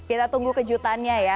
kita tunggu kejutannya ya